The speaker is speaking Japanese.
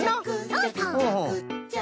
そうそう。